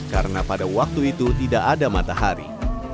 karena pada waktu itu tidak ada matahari